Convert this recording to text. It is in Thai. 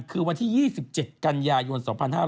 คือวันที่๒๗กันยายน๒๕๕๙